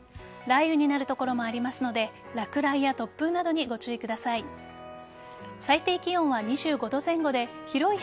雷雨になる所もありますので落雷や突風などにご注意ください。